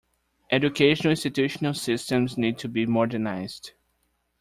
Educational Institutional systems need to be modernized.